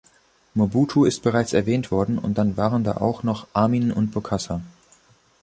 Mobutu ist bereits erwähnt worden, und dann waren da auch noch Amin und Bokassa.